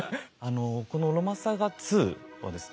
この「ロマサガ２」はですね